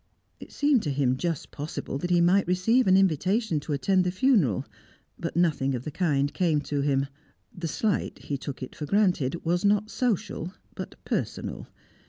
It seemed to him just possible that he might receive an invitation to attend the funeral; but nothing of the kind came to him. The slight, he took it for granted, was not social, but personal.